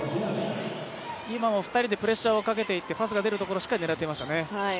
今も２人でプレッシャーをかけていってパスが出るところしっかり狙っていましたね。